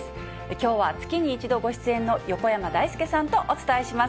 きょうは月に１度ご出演の横山だいすけさんとお伝えします。